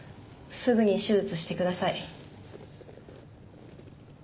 すぐに手術して下さい。